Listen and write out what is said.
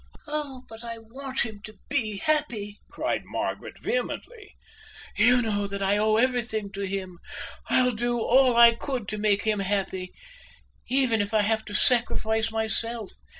"Oh, but I want him to be happy," cried Margaret vehemently. "You know that I owe everything to him. I'd do all I could to make him happy, even if I had to sacrifice myself.